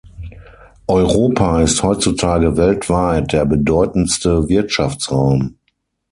Europa ist heutzutage weltweit der bedeutendste Wirtschaftsraum.